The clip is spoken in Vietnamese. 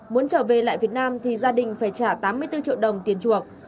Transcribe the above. muốn trở về lại việt nam thì gia đình phải trả tám mươi bốn triệu đồng tiền chuộc